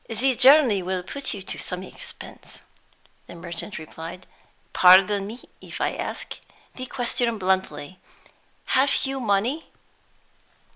"The journey will put you to some expense," the merchant replied. "Pardon me if I ask the question bluntly. Have you money?"